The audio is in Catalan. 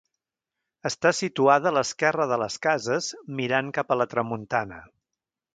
Està situada a l'esquerra de les cases mirant cap a la tramuntana.